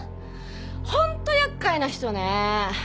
ホント厄介な人ね。